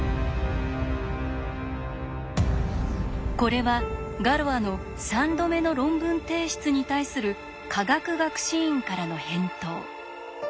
これはガロアの３度目の論文提出に対する科学学士院からの返答。